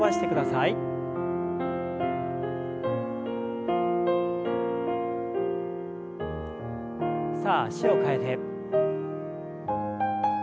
さあ脚を替えて。